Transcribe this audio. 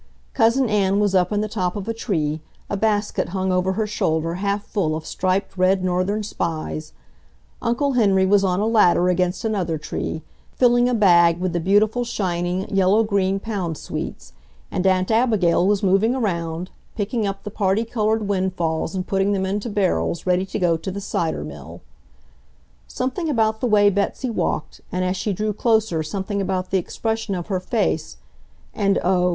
Cousin Ann was up in the top of a tree, a basket hung over her shoulder half full of striped red Northern Spies; Uncle Henry was on a ladder against another tree, filling a bag with the beautiful, shining, yellow green Pound Sweets, and Aunt Abigail was moving around, picking up the parti colored windfalls and putting them into barrels ready to go to the cider mill. Something about the way Betsy walked, and as she drew closer something about the expression of her face, and oh!